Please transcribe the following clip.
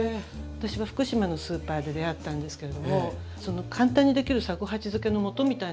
私は福島のスーパーで出会ったんですけれども簡単にできる三五八漬けのもとみたいなのも売られてるんですよ。